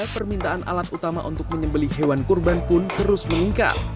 permintaan alat utama untuk menyembeli hewan kurban pun terus meningkat